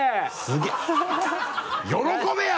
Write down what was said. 喜べや！